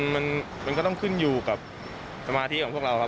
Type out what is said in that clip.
มันก็ต้องขึ้นอยู่กับสมาธิของพวกเราครับ